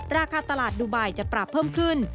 ราคาตลาดดูไบจะปรับเพิ่มขึ้น